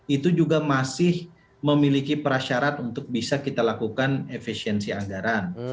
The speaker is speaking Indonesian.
itu juga masih memiliki prasyarat untuk bisa kita lakukan efisiensi anggaran